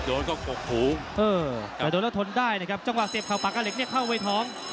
โอะไรัตเงียบอีกนะครับเมื่อเกิดเราต้องก็เสียบเข้าปากกาเหล็กนี่เข้าไว้ท้อง